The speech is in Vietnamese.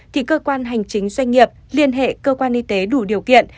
thì cơ quan hành chính doanh nghiệp liên hệ cơ quan y tế đủ điều kiện